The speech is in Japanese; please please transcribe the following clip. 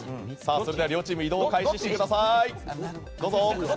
それでは両チーム移動を開始してください。